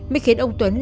mới khiến ông tuấn